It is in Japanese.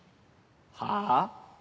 はぁ？